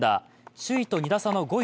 首位と２打差５位